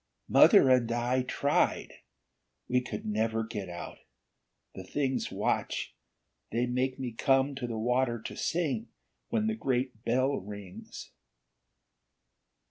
"Mother and I tried. We could never get out. The Things watch. They make me come to the water to sing, when the great bell rings."